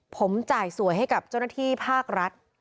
ผมจ่ายสวยให้กับเจ้าหน้าที่ภาครัฐ